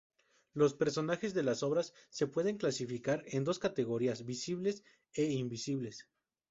Los personajes de la obra se pueden clasificar en dos categorías, Visibles e Invisibles.